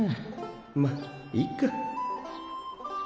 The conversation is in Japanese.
まっいっか。